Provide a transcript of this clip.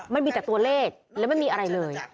มันมีแต่ตัวเลขและไม่มีอะไรเลย